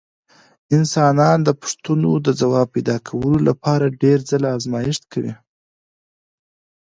انسانان د پوښتنو د ځواب پیدا کولو لپاره ډېر ځله ازمېښت کوي.